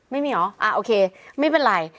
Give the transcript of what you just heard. ไม่มีเหรออ่าโอเคไม่เป็นไร